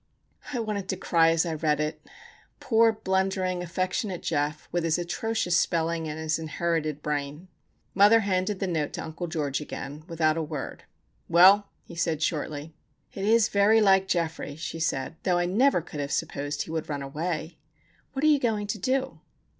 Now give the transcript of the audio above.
I wanted to cry as I read it. Poor, blundering, affectionate Geof, with his atrocious spelling and his "inherited bran." Mother handed the note to Uncle George again, without a word. "Well?" he asked, shortly. "It is very like Geoffrey," she said; "though I never could have supposed he would run away. What are you going to do?"